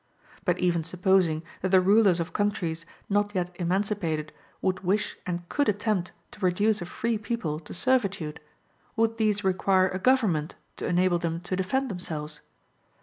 But even supposing that the rulers of countries not yet emancipated would wish and could attempt to reduce a free people to servitude, would these require a government to enable them to defend themselves?